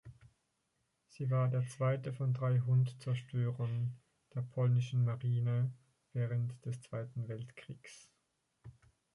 Sie war der zweite von drei Hunt-Zerstörern der Polnischen Marine während des Zweiten Weltkriegs.